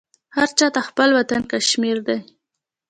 هرچاته خپل وطن کشمیردی